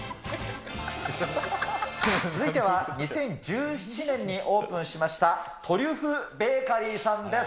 続いては２０１７年にオープンしました、トリュフベーカリーさんです。